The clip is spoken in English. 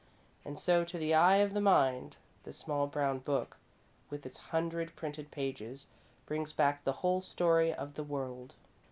And so, to the eye of the mind, the small brown book, with its hundred printed pages, brings back the whole story of the world.